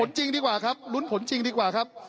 จริงดีกว่าครับลุ้นผลจริงดีกว่าครับ